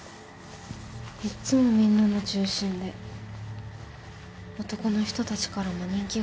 いっつもみんなの中心で男の人たちからも人気があって。